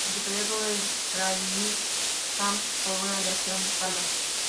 Se perdió todo el "training camp" por una lesión de espalda.